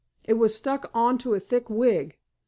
It was stuck on to a thick wig.